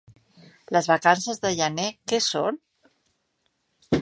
Les vacances de gener què són?